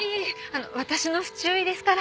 あの私の不注意ですから。